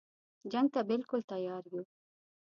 جنګ ته بالکل تیار یو.